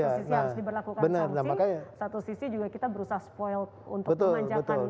satu sisi harus diberlakukan sanksi satu sisi juga kita berusaha spoil untuk memanjakan